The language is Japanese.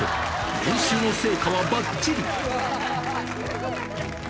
練習の成果はばっちり。